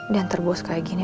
dan terbos kayak gini